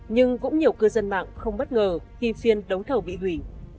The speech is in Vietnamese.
nhưng cũng nhiều cư dân mạng không bất ngờ khi phiên đấu thầu bị hủy